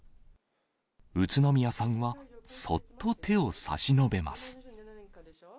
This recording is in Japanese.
宇都宮さんは、そっと手を差し伸べます。